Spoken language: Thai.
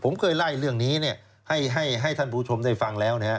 ผมเคยไล่เรื่องนี้เนี่ยให้ให้ให้ท่านผู้ชมได้ฟังแล้วนะครับ